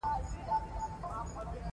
زلمی لیک لیکي اوس مهال فعل دی.